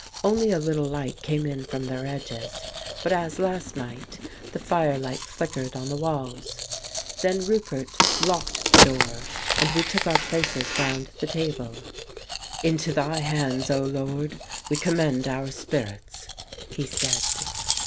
Only a little light came in from their edges, but, as last night, the firelight flickered on the walls. Then Roupert locked the door, and we took our places round the table. "Into Thy hands, O Lord, we commend our spirits," he said.